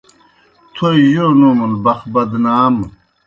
تھوئے جو نومُن، بخ بدنام